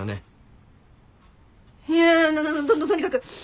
いやとにかく！